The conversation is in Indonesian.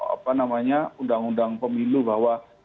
apa namanya undang undang pemilu bahwa